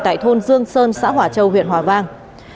tại thôn dương sơn xã hỏa châu huyện hòa vang